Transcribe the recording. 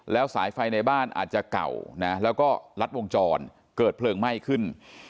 แล้วสายไฟในบ้านอาจจะเก่านะแล้วก็ลัดวงจรเกิดเพลิงไหม้ขึ้น